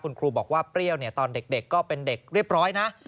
คุณครูบอกว่าเปรี้ยวตอนเด็กก็เป็นเด็กเรียบร้อยนะ